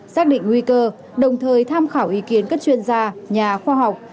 xác định nguy cơ đồng thời tham khảo ý kiến các chuyên gia nhà khoa học